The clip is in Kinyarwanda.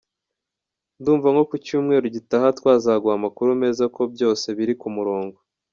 Ndumva nko mu cyumweru gitaha twazaguha amakuru meza ko byose biri ku murongo.